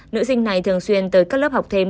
nữ sinh này thường xuyên tới các lớp học thêm